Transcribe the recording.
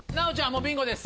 もうビンゴです。